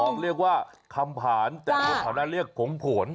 จำออกเรียกว่าคำผานแต่ที่เผาหน้าเรียกผงผล